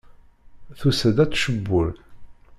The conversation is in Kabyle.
Tusa-d ad tcewwel.